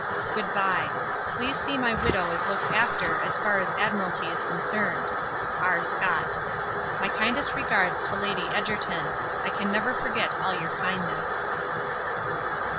Good bye. Please see my widow is looked after as far as Admiralty is concerned. R. SCOTT. My kindest regards to Lady Egerton. I can never forget all your kindness.